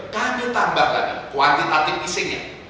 kami tambahkan kuantitatif isingnya